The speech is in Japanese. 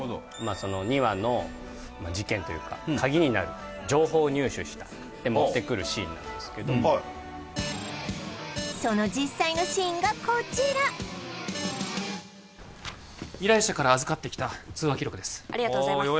２話の事件というか鍵になる情報を入手したって持ってくるシーンなんですけどその実際のシーンがこちら依頼者から預かってきた通話記録ですありがとうございますああ